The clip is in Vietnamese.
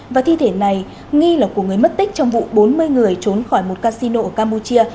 và thi thể này nghi là của người mất tích trong vụ bốn mươi người trốn khỏi một casino ở campuchia